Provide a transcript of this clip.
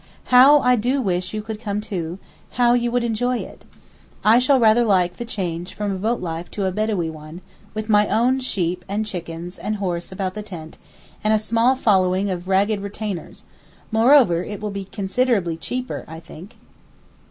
How I do wish you could come too, how you would enjoy it! I shall rather like the change from a boat life to a Bedawee one, with my own sheep and chickens and horse about the tent, and a small following of ragged retainers; moreover, it will be considerably cheaper, I think.